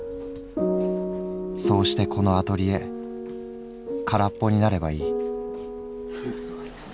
そうしてこのアトリエ空っぽになればいい」。